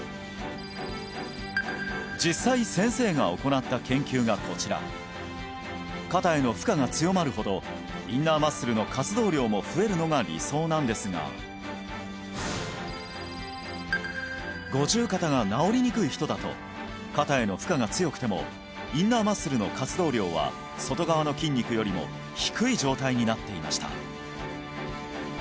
実際先生が行った研究がこちら肩への負荷が強まるほどインナーマッスルの活動量も増えるのが理想なんですが五十肩が治りにくい人だと肩への負荷が強くてもインナーマッスルの活動量は外側の筋肉よりも低い状態になっていました